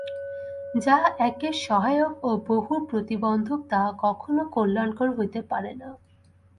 যাহা একের সহায়ক ও বহুর প্রতিবন্ধক, তাহা কখনও কল্যাণকর হইতে পারে না।